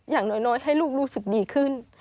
อย่างน้อยให้ลูกรู้สึกดีขึ้น